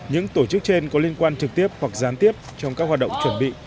những tổ chức trên có liên quan trực tiếp hoặc gián tiếp trong các hoạt động chuẩn bị